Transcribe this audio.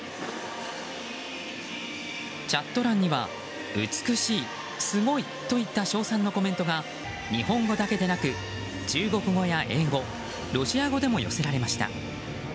チャット欄には美しい、すごいといった賞賛のコメントが日本語だけでなく中国語や英語、ロシア語でも寄せられました。